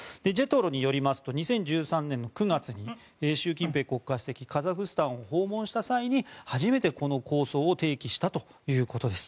ＪＥＴＲＯによりますと２０１３年の９月に習近平国家主席はカザフスタンを訪問した際に初めてこの構想を提起したということです。